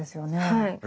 はい。